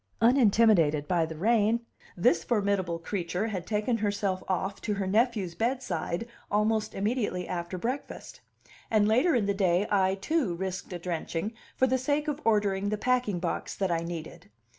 Unintimidated by the rain, this formidable creature had taken herself off to her nephew's bedside almost immediately after breakfast; and later in the day I, too, risked a drenching for the sake of ordering the packing box that I needed.